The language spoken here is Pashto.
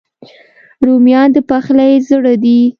رومیان د پخلي زړه دي